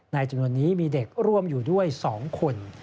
จำนวนนี้มีเด็กร่วมอยู่ด้วย๒คน